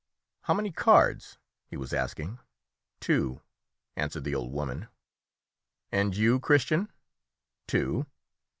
"How many cards?" he was asking. "Two," answered the old woman. "And you, Christian?" "Two."